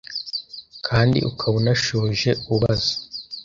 kandi ukaba unashoje ubaza